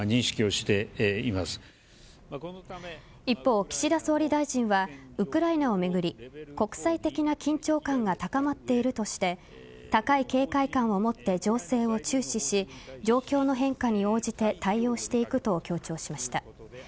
一方、岸田総理大臣はウクライナを巡り国際的な緊張感が高まっているとして高い警戒感を持って情勢を注視し状況の変化に応じて対応していくと強調しました。